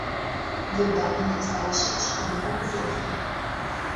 Выданне для старэйшага школьнага ўзросту.